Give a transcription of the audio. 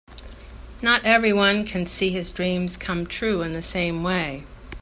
Not everyone can see his dreams come true in the same way.